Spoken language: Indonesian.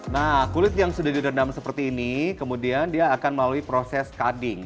nah kulit yang sudah direndam seperti ini kemudian dia akan melalui proses curding